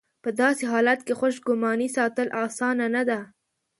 په داسې حالت کې خوشګماني ساتل اسانه نه ده.